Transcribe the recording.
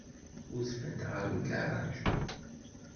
Udfent ɣer ugaṛaj.